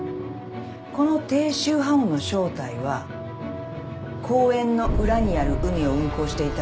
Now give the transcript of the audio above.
この低周波音の正体は公園の裏にある海を運航していた船のエンジン音。